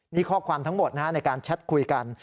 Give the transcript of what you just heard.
นี่ข้อความทั้งหมดในการแชทคุยกัน